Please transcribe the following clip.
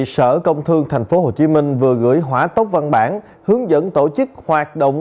sở công thương tp hcm vừa gửi hỏa tốc văn bản hướng dẫn tổ chức hoạt động